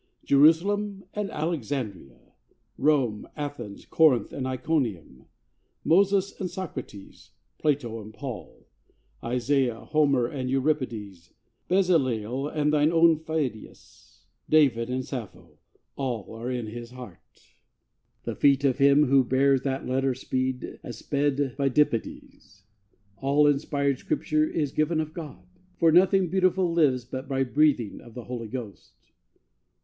Jerusalem and Alexandria, Rome, Athens, Corinth and Iconium, Moses and Socrates, Plato and Paul, Isaiah, Homer, and Euripides, Bezaleel and thine own Phidias, David and Sappho all are in His heart! Thou wilt remember what I lately wrote The feet of him who bears that letter speed, As sped Pheidippides "All inspired Scripture Is given of God;" for nothing beautiful Lives but by breathing of the Holy Ghost.